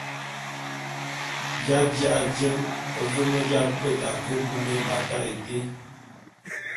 J’aji’a ke jeñe vôm j’abeta ke bume ébatak été.